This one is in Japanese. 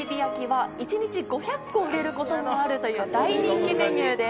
一日５００個売れることもあるという大人気メニューです。